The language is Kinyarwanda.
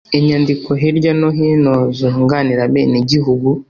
inyandiko hirya no hino zunganira abenegihugu